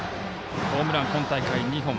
ホームラン、今大会２本。